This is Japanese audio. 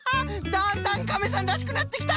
だんだんカメさんらしくなってきた！